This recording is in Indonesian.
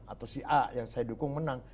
atau si a yang saya dukung menang